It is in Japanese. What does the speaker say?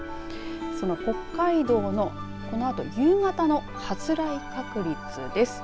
その北海道のこのあと夕方の発雷確率です。